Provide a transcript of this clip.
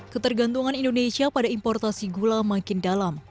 ketergantungan indonesia pada importasi gula makin dalam